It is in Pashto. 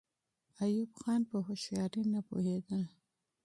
ایوب خان په هوښیارۍ نه پوهېدل.